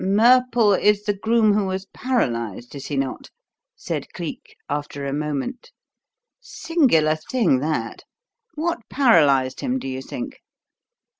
"Murple is the groom who was paralysed, is he not?" said Cleek, after a moment. "Singular thing, that. What paralysed him, do you think?"